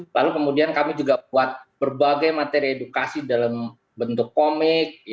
lalu kemudian kami juga buat berbagai materi edukasi dalam bentuk komik